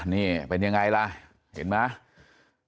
นี่เป็นยังไงล่ะเห็นไหม